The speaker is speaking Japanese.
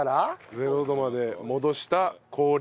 ０度まで戻した氷。